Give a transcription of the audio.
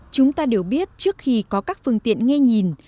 chúng ta đều biết trước khi có các phương tiện nghe nhìn